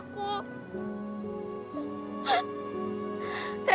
aku tuh bener bener gak nyangka li